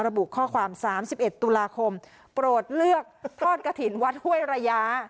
ระบุข้อความ๓๑ตุลาคมโปรดเลือกทอดกระถิ่นวัดห้วยระยะ